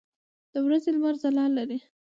د ورځې لمر ځلا لري.